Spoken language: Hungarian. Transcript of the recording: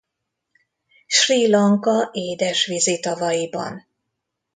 Srí Lanka édesvízi tavaiban.